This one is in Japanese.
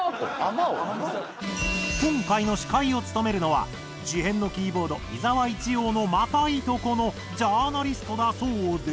今回の司会を務めるのは事変のキーボード伊澤一葉の又従兄弟のジャーナリストだそうで。